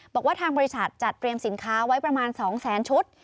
บอกว่าทางบริษัทจัดเตรียมสินค้าไว้ประมาณ๒แสนชุด